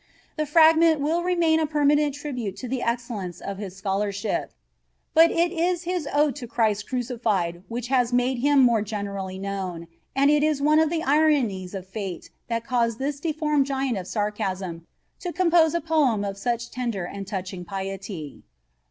The fragment will remain a permanent tribute to the excellence of his scholarship, but it is his Ode to Christ Crucified which has made him more generally known, and it is one of the ironies of fate that caused this deformed giant of sarcasm to compose a poem of such tender and touching piety.